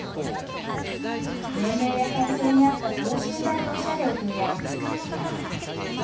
年齢や体形に合った等身大のおしゃれを提案。